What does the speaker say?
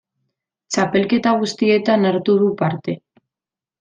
Txapelketa guztietan hartu du parte.